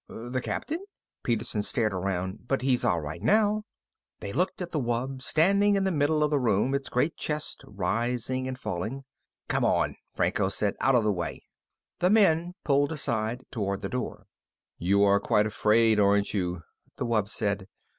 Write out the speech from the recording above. The Captain?" Peterson stared around. "But he's all right now." They looked at the wub, standing in the middle of the room, its great chest rising and falling. "Come on," Franco said. "Out of the way." The men pulled aside toward the door. "You are quite afraid, aren't you?" the wub said.